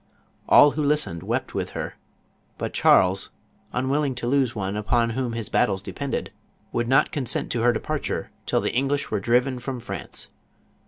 All who listened wept with her, but Charles, unwilling to lose one upon whom his battles depended, JOAN OF ARC. 169 would not consent to her departure till the English were driven from France.